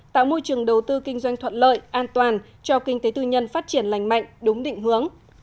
tạo môi trường đầu tư kinh doanh thuận lợi an toàn cho kinh tế tư nhân phát triển lành mạnh đúng định hướng